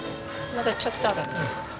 まだちょっとある。